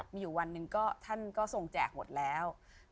มีอยู่วันท่านส่งแจกหมดแล้ว